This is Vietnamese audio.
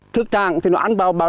thức trạng thì nó ăn bao